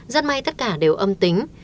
rất may tất cả đều âm tính